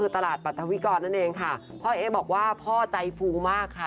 แต่วิกอร์ดนั่นเองค่ะพ่อเอ๊ะบอกว่าพ่อใจฟูมากค่ะ